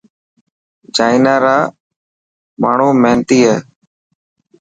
چائنا را ماڻهومهينتي هي.